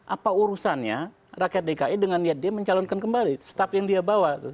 apa urusannya rakyat dki dengan niat dia mencalonkan kembali staff yang dia bawa